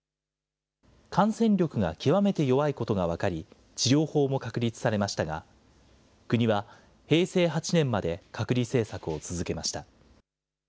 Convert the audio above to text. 感染力が極めて弱いことが分かり、治療法も確立されましたが、国は平成８年まで隔離政策を続けました。